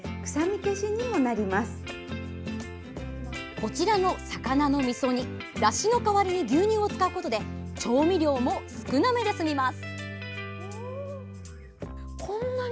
こちらの魚のみそ煮だしの代わりに牛乳を使うことで調味料も少なめで済みます。